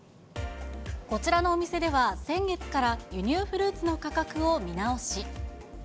こちらのお店では、先月から輸入フルーツの価格を見直し。